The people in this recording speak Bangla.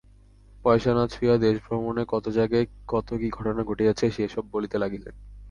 পয়সা না ছুঁইয়া দেশভ্রমণে কত জায়গায় কত কি ঘটনা ঘটিয়াছে, সে-সব বলিতে লাগিলেন।